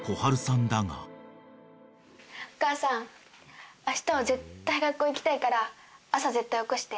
お母さんあしたは絶対学校行きたいから朝絶対起こして。